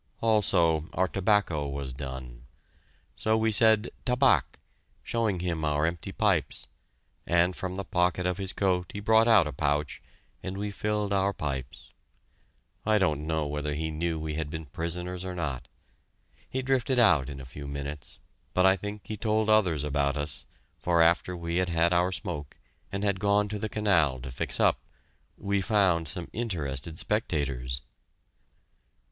Also our tobacco was done. So we said, "Tabac," showing him our empty pipes, and from the pocket of his coat he brought out a pouch, and we filled our pipes. I don't know whether he knew we had been prisoners or not. He drifted out in a few minutes, but I think he told others about us, for after we had had our smoke, and had gone to the canal to fix up, we found some interested spectators.